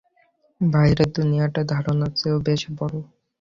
বাহিরের দুনিয়াটা ধারণার চেয়েও বেশ বড়।